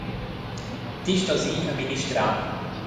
Ti stos ir a ministrar.